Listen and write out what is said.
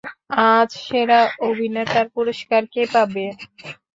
আজ সেরা অভিনেতার পুরস্কার কে পাবে?